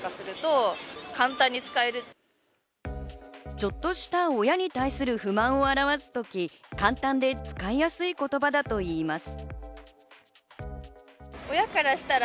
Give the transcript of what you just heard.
ちょっとした親に対する不満を表すとき、簡単で使いやすい言葉だといいます。